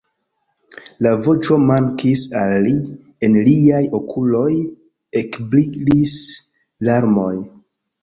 La voĉo mankis al li, en liaj okuloj ekbrilis larmoj.